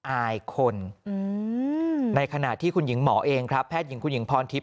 อายคนในขณะที่คุณหญิงหมอเองครับแพทย์หญิงคุณหญิงพรทิพย